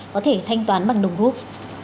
để thanh toán bằng đồng hút